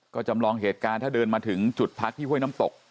ก็จำลองเหตุการณ์ถ้าเดินมาถึงจุดพักที่ห้วยน้ำตก